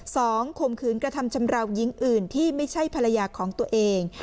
ข่มขืนกระทำชำราวหญิงอื่นที่ไม่ใช่ภรรยาของตัวเอง